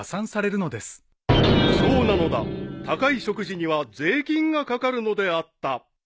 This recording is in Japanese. ［そうなのだ高い食事には税金が掛かるのであった］